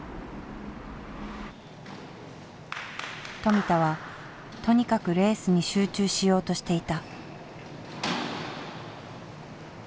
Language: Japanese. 富田はとにかくレースに集中しようとしていた。